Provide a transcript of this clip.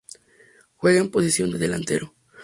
Juega en posición de delantero.